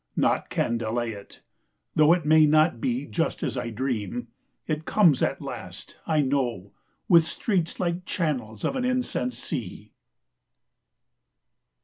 Naught can delay it. Though it may not be Just as I dream, it comes at last I know, With streets like channels of an incense sea.